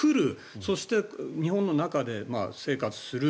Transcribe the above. そして日本の中で生活する。